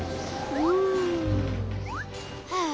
うん！はあ